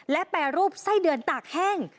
และแปรรูปไส้เดือนตากแห้ง